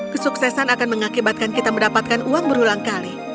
kesuksesan akan mengakibatkan kita mendapatkan uang berulang kali